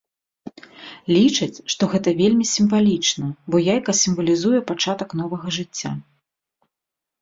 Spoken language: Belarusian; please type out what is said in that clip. Лічаць, што гэта вельмі сімвалічна, бо яйка сімвалізуе пачатак новага жыцця.